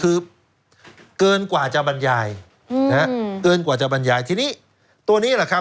คือเกินกว่าจะบรรยายอืมนะฮะเกินกว่าจะบรรยายทีนี้ตัวนี้แหละครับ